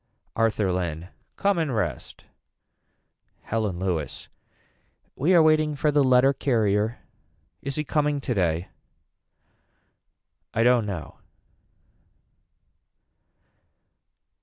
Arthur Llynn. Come and rest. Helen Lewis. We are waiting for the letter carrier. Is he coming today. I don't know.